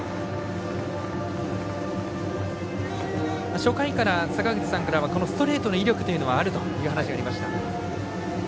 初回から坂口さんからはストレートの威力があるという話がありました。